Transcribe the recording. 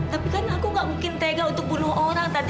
tapi kan aku gak mungkin tega untuk bunuh orang tadi